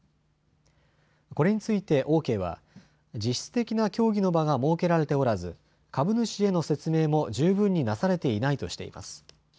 これについてオーケーは実質的な協議の場が設けられておらず株主の説明も十分になされていないとしています。